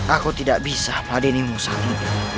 aku tidak bisa padani musuhku